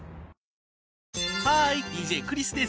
ＤＪクリスです。